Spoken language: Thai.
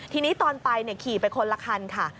ทีนี้ตอนไปขี่ไปคนละคันค่ะ